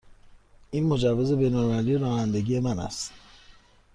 این مجوز بین المللی رانندگی من است.